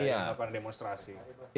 yang dilakukan demonstrasi